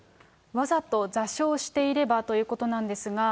わざと座礁していればということなんですが。